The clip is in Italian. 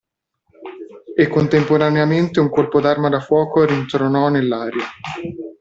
E contemporaneamente un colpo d'arma da fuoco rintronò nell'aria.